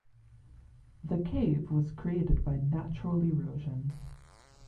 The cave was created by natural erosion.